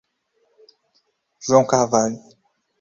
João Carvalho